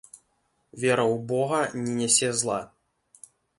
Вера ў бога не нясе зла.